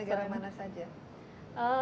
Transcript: negara negara mana saja